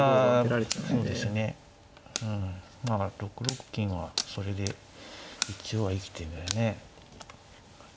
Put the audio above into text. うんまあ６六金はそれで一応は生きてるね。